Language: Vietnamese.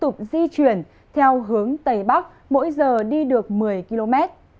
trong bốn mươi tám bảy mươi hai giờ tiếp theo báo sẽ di chuyển theo hướng tây bắc mỗi giờ đi được một mươi km